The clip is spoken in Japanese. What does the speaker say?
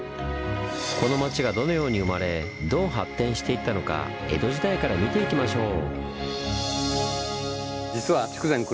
この町がどのように生まれどう発展していったのか江戸時代から見ていきましょう！